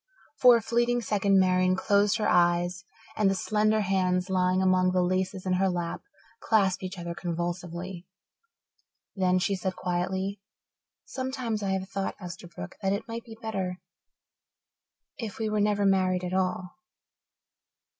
For a fleeting second Marian closed her eyes and the slender hands, lying among the laces in her lap, clasped each other convulsively. Then she said quietly, "Sometimes I have thought, Esterbrook, that it might be better if we were never married at all."